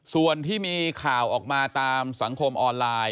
ส่วนที่มีข่าวออกมาตามสังคมออนไลน์